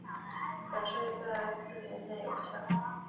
返税在四年内有效。